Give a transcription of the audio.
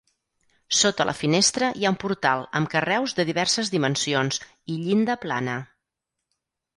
Sota la finestra hi ha un portal amb carreus de diverses dimensions i llinda plana.